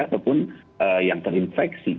ataupun yang terinfeksi